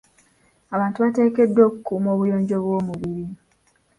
Abantu bateekeddwa okukuuma obuyonjo bw'omubiri.